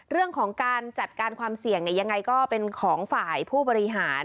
เรื่องของการจัดการความเสี่ยงยังไงก็เป็นของฝ่ายผู้บริหาร